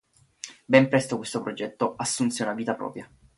Ben presto questo progetto assunse una vita propria.